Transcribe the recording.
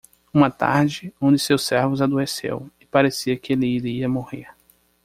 Uma tarde? um de seus servos adoeceu? e parecia que ele iria morrer.